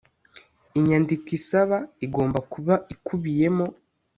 Inyandiko isaba igomba kuba ikubiyemo